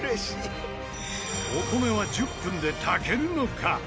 お米は１０分で炊けるのか？